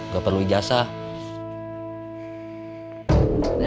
aku mau cari pinjeman yang mana mana